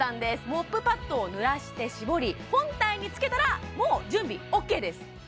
モップパッドをぬらして絞り本体につけたらもう準備ＯＫです